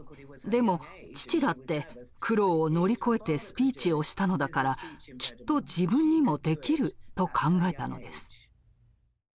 でも父だって苦労を乗り越えてスピーチをしたのだからきっと自分にもできると考えたのです。